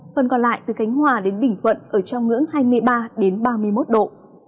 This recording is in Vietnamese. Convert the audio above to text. phần còn lại từ khánh hòa đến bình thuận ở trong ngưỡng hai mươi ba đến ba mươi một độ